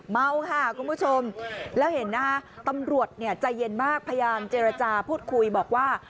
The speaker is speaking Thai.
เมาค่ะคุณผู้ชมแล้วเห็นนะคะตำรวจใจเย็นมากพยายามเจรจาพูดคุยบอกว่า